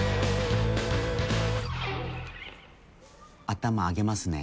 頭上げますね。